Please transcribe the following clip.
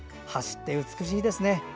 橋って美しいですね